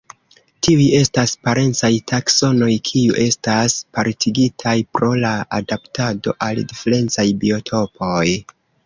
Tiuj estas parencaj taksonoj kiu estas apartigitaj pro la adaptado al diferencaj biotopoj.